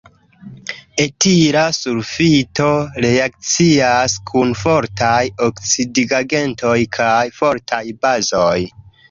Etila sulfito reakcias kun fortaj oksidigagentoj kaj fortaj bazoj.